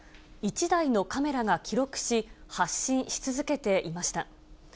１台のカメラが記録し、発信し続けていました。